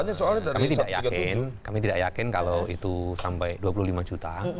jadi kami tidak yakin kalau itu sampai dua puluh lima juta